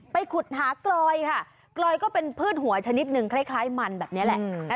ขุดหากลอยค่ะกลอยก็เป็นพืชหัวชนิดหนึ่งคล้ายมันแบบนี้แหละ